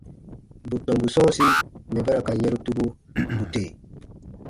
Bù tɔmbu sɔ̃ɔsi mɛ̀ ba ra ka yɛ̃ru tubu, bù tè.